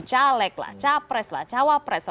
caleg lah capres lah cawapres